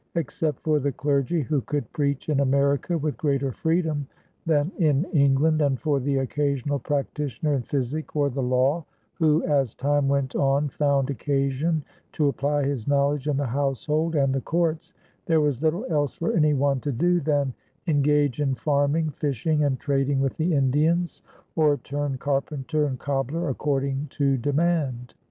Except for the clergy, who could preach in America with greater freedom than in England, and for the occasional practitioner in physic or the law who as time went on found occasion to apply his knowledge in the household and the courts, there was little else for any one to do than engage in farming, fishing, and trading with the Indians, or turn carpenter and cobbler according to demand.